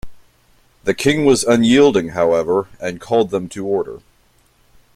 The King was unyielding, however, and called them to order.